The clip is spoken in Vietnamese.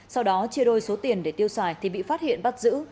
sau đó chia đôi số tiền để tiêu xài thì bị phát hiện bắt giữ